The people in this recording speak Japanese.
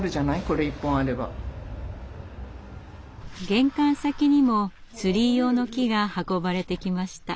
玄関先にもツリー用の木が運ばれてきました。